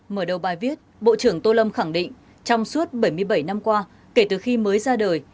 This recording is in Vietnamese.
mở đầu bài viết bộ trưởng tô lâm khẳng định trong suốt bảy mươi bảy năm qua kể từ khi mới ra đời